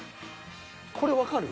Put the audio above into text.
これわかる？